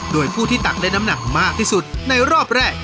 โดยผู้ที่ตักได้น้ำหนักมากที่สุดในรอบแรก